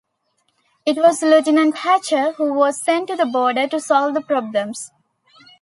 It was Lieutenant Hatcher who was sent to the border to solve the problems.